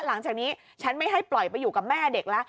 หลังจากนี้ฉันไม่ให้ปล่อยไปอยู่กับแม่เด็กแล้ว